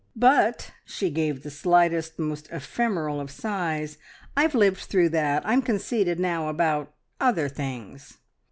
But," she gave the slightest, most ephemeral of sighs, "I've lived through that. I'm conceited now about other things."